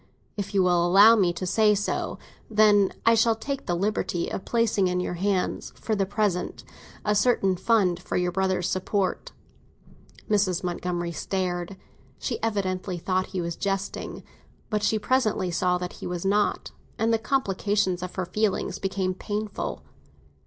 If you will allow me to say so, then, I shall take the liberty of placing in your hands, for the present, a certain fund for your brother's support." Mrs. Montgomery stared; she evidently thought he was jesting; but she presently saw that he was not, and the complication of her feelings became painful.